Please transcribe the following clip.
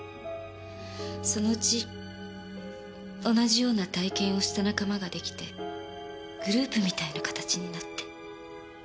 そのうち同じような体験をした仲間ができてグループみたいな形になって。